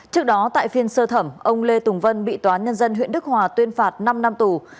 trước đó tại phiên sơ thẩm ông lê tùng vân bị tòa nhân dân huyện đức hòa tuyên phạt năm năm tù